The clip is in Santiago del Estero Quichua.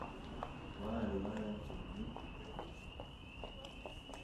waa ruwara suk yutu